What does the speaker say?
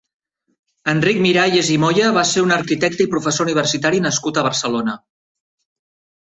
Enric Miralles i Moya va ser un arquitecte i professor universitari nascut a Barcelona.